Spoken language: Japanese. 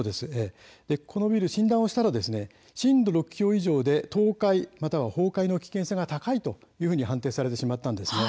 このビルを診断をしたら震度６強以上で倒壊または崩壊の危険性が高いと判定されてしまったんです。